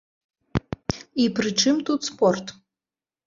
І прычым тут спорт?